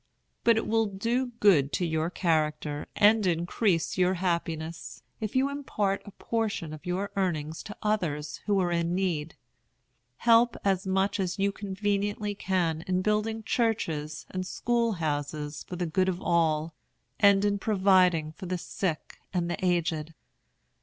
But it will do good to your character, and increase your happiness, if you impart a portion of your earnings to others who are in need. Help as much as you conveniently can in building churches and school houses for the good of all, and in providing for the sick and the aged.